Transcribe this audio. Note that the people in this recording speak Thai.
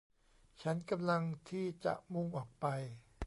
ฉันกำลังที่จะมุ่งออกไป